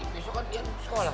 besok kan iyan sekolah